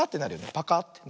パカッてね。